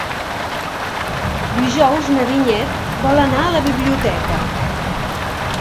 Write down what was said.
Dijous na Vinyet vol anar a la biblioteca.